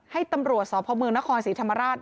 ให้ตำรวจสพเมืองนครศรีธรรมราช